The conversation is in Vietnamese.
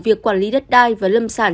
việc quản lý đất đai và lâm sản